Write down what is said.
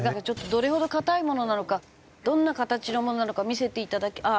ちょっとどれほど固いものなのかどんな形のものなのか見せて頂け。